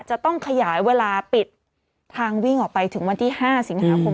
จะต้องขยายเวลาปิดทางวิ่งออกไปถึงวันที่๕สิงหาคม